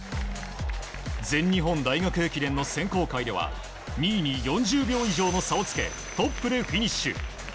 全日本大学駅伝の選考会では２位に４０秒以上の差をつけトップでフィニッシュ。